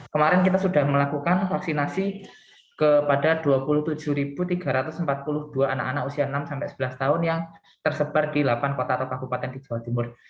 kemarin kita sudah melakukan vaksinasi kepada dua puluh tujuh tiga ratus empat puluh dua anak anak usia enam sebelas tahun yang tersebar di delapan kota atau kabupaten di jawa timur